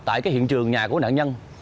tại cái hiện trường nhà của nạn nhân